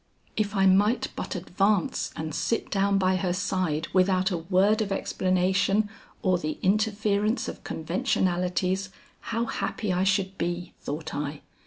"If I might but advance and sit down by her side without a word of explanation or the interference of conventionalities how happy I should be," thought I.